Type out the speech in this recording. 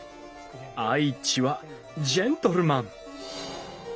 愛知はジェントルマン。